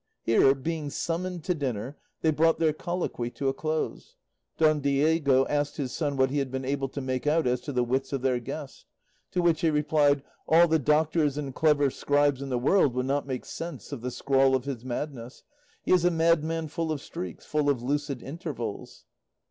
Here, being summoned to dinner, they brought their colloquy to a close. Don Diego asked his son what he had been able to make out as to the wits of their guest. To which he replied, "All the doctors and clever scribes in the world will not make sense of the scrawl of his madness; he is a madman full of streaks, full of lucid intervals."